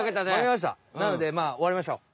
なのでおわりましょう。